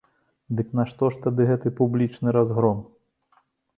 Дык нашто ж тады гэты публічны разгром?